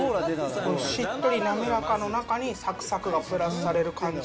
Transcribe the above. しっとり滑らかな中にさくさくがプラスされる感じ。